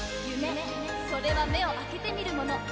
「夢、それは目を開けて見るもの！」